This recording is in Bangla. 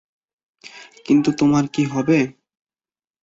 কিন্তু তোমার কি হবে?